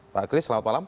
pak kris selamat malam